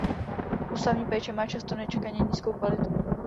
Ústavní péče má často nečekaně nízkou kvalitu.